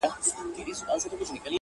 پېړۍ قرنونه کیږي٫